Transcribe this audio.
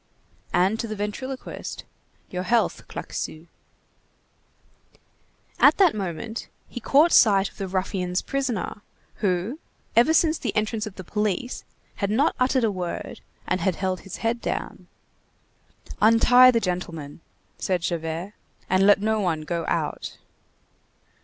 And to the ventriloquist:— "Your health, Claquesous." At that moment, he caught sight of the ruffians' prisoner, who, ever since the entrance of the police, had not uttered a word, and had held his head down. "Untie the gentleman!" said Javert, "and let no one go out!"